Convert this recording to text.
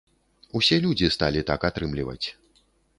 Усе людзі сталі так атрымліваць.